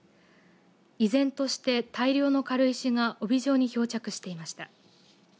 依然として大量の軽石が帯状に漂着していました。